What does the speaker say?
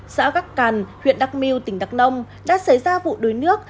xã gắc cằn huyện đắc miu tỉnh đắc nông đã xảy ra vụ đuối nước